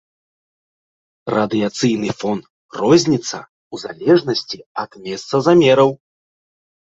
Радыяцыйны фон розніцца ў залежнасці ад месца замераў.